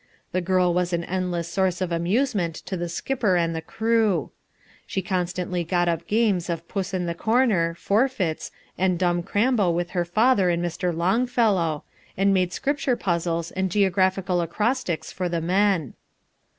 The girl was an endless source of amusement to the skipper and the crew. She constantly got up games of puss in the corner, forfeits, and Dumb Crambo with her father and Mr. Longfellow, and made Scripture puzzles and geographical acrostics for the men.